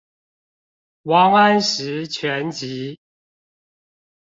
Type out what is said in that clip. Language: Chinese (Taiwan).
王安石全集